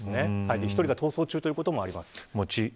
１人が逃走中ということもあります。